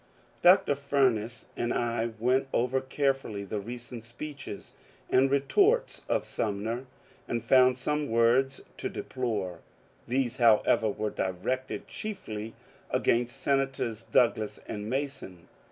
Dr. Fumess and I went over carefully the recent speeches and retorts of Sumner, and found some words to deplore. These, however, were directed chiefly against Senators Douglas and Mason.